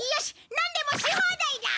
なんでもし放題だ！